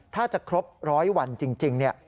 ถ้าจะครบร้อยวันจริงเนี่ย